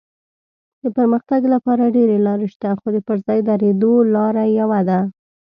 د پرمختګ لپاره ډېرې لارې شته خو د پر ځای درېدو لاره یوه ده.